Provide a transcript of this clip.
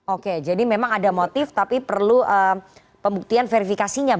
oke jadi memang ada motif tapi perlu pembuktian verifikasinya